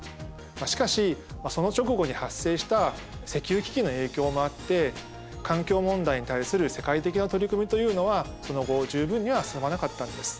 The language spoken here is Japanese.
しかしその直後に発生した石油危機の影響もあって環境問題に対する世界的な取り組みというのはその後十分には進まなかったんです。